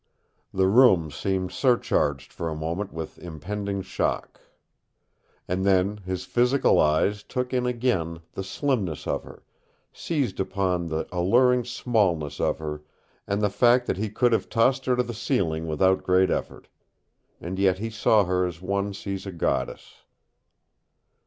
The room seemed surcharged for a moment with impending shock. And then his physical eyes took in again the slimness of her, seized upon the alluring smallness of her and the fact that he could have tossed her to the ceiling without great effort. And yet he saw her as one sees a goddess.